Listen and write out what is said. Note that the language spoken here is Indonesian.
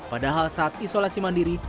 padahal saat isolasi mandiri